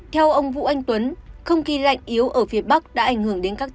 theo ông vũ anh tuấn không khi lạnh yếu ở phía bắc đã ảnh hưởng đến các tiết